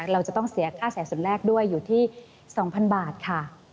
เราจะต้องเสียค่าแสนส่วนแรกด้วยอยู่ที่๒๐๐๐บาทค่ะ